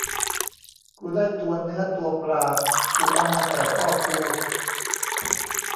กูได้ตัวเนื้อตัวปลา กูเอามาแก่พ่อกู